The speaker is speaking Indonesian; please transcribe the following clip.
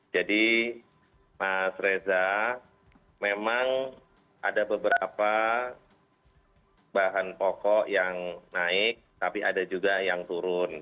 jadi mas reza memang ada beberapa bahan pokok yang naik tapi ada juga yang turun